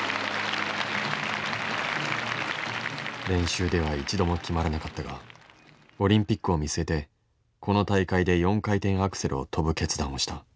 練習では一度も決まらなかったがオリンピックを見据えてこの大会で４回転アクセルを跳ぶ決断をした。